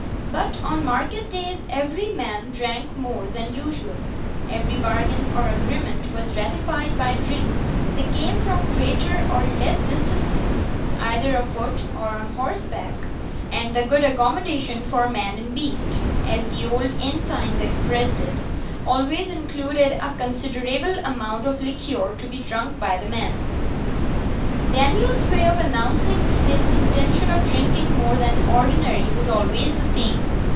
But, on market days, every man drank more than usual; every bargain or agreement was ratified by drink; they came from greater or less distances, either afoot or on horseback, and the 'good accommodation for man and beast' (as the old inn signs expressed it) always included a considerable amount of liquor to be drunk by the man. Daniel's way of announcing his intention of drinking more than ordinary was always the same.